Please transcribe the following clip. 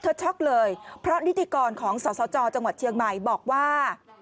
ช็อกเลยเพราะนิติกรของสสจจังหวัดเชียงใหม่บอกว่า